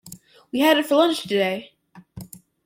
We had it for lunch today.